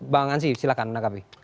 bang ansi silahkan menangkapi